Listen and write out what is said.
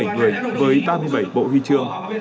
bảy người với ba mươi bảy bộ huy trường